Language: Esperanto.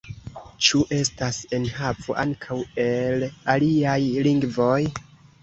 Ĉu estas enhavo ankaŭ el aliaj lingvoj?